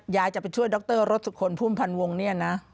ยายจะไปช่วยดรศุคลภูมิพันธ์วงศ์นี่นะ